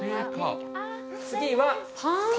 次は。